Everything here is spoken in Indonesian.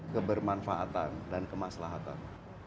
kebermanfaatan dan kemaslahatan